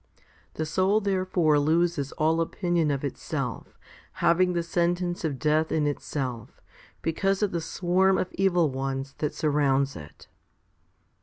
The soul therefore loses all opinion of itself, having the sentence of death in itself* because of the swarm of evil ones that surrounds it.